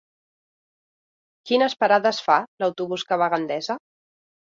Quines parades fa l'autobús que va a Gandesa?